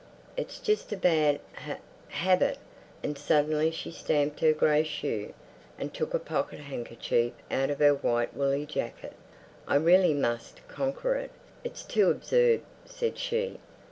It's just a bad ha habit." And suddenly she stamped her grey shoe, and took a pocket handkerchief out of her white woolly jacket. "I really must conquer it, it's too absurd," said she.